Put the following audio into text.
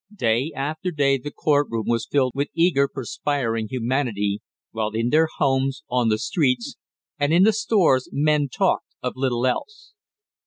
Day after day the courtroom was filled with eager perspiring humanity, while in their homes, on the streets, and in the stores men talked of little else.